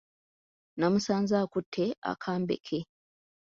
Namusanze akutte akambe ke.